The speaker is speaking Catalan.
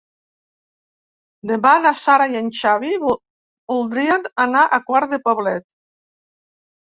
Demà na Sara i en Xavi voldrien anar a Quart de Poblet.